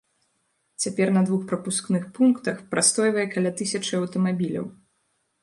Цяпер на двух прапускных пунктах прастойвае каля тысячы аўтамабіляў.